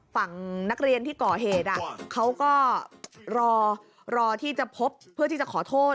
ฝั่งนักเรียนที่ก่อเหตุเขาก็รอรอที่จะพบเพื่อที่จะขอโทษ